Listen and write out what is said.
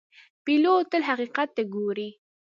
پیلوټ تل حقیقت ته ګوري.